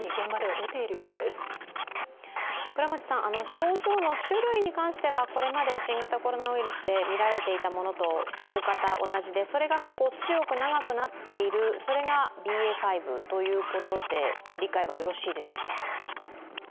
症状の種類に関してこれまで新型コロナウイルスでみられていたものと大方、同じでそれが強く長くなっているそれがＢＡ．５ということで理解はよろしいでしょうか？